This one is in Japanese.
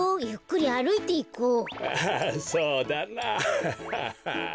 アハハそうだな。ハハハ。